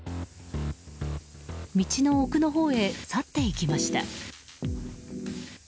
道の奥のほうへ去っていきました。